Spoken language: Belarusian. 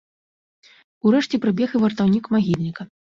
Урэшце прыбег і вартаўнік магільніка.